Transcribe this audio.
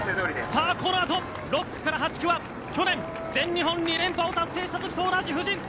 このあと６区から８区は去年、全日本２連覇を達成した時と同じ布陣。